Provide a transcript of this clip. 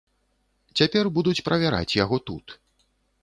Цяпер будуць правяраць яго тут.